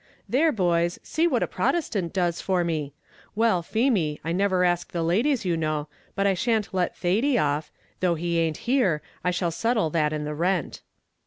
"There, boys, see what a Protestant does for me. Well, Feemy, I never ask the ladies, you know, but I shan't let Thady off; though he ain't here, I shall settle that in the rent."